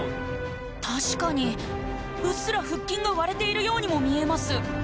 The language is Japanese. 確かにうっすら腹筋が割れているようにも見えます